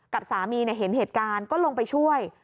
กับสามีเห็นเหตุการณ์ก็ลงไปช่วย